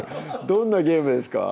どんなゲームですか？